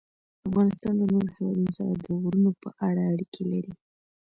افغانستان له نورو هېوادونو سره د غرونو په اړه اړیکې لري.